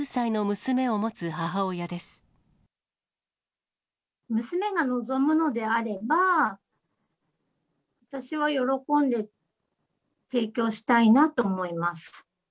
娘が望むのであれば、私は喜んで提供したいなと思います。